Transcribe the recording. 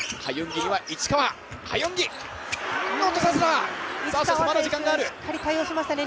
市川選手、しっかり対応しましたね